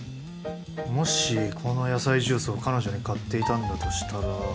もしこの野菜ジュースを彼女に買っていたんだとしたら。